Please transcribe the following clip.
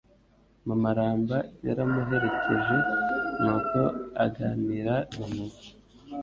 Mama Ramba yaramuherekeje nuko aganira na Nyina